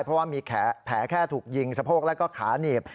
เพราะว่ามีแผลแค่ถูกยิงสะโพกแล้วก็ขาหนีบ